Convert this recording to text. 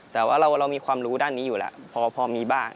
แต่ว่าเรามีความรู้ด้านนี้อยู่แล้วพอมีบ้าง